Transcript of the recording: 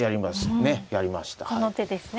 この手ですね。